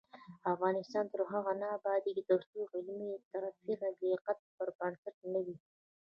افغانستان تر هغو نه ابادیږي، ترڅو علمي ترفیع د لیاقت پر بنسټ نه وي.